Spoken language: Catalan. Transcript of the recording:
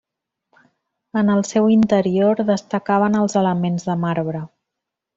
En el seu interior destacaven els elements de marbre.